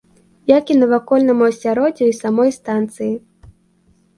Як і навакольнаму асяроддзю і самой станцыі.